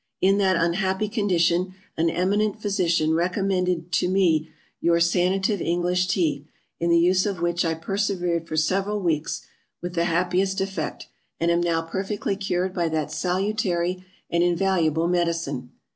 In that unhappy condition, an eminent Physician recommended me to your SANATIVE ENGLISH TEA, in the use of which I persevered for several weeks, with the happiest effect, and am now perfectly cured by that salutary and invaluable Medicine.